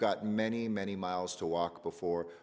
kita memiliki banyak jalan untuk berjalan